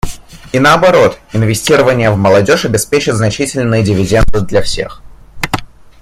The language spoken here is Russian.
И наоборот, инвестирование в молодежь обеспечит значительные дивиденды для всех.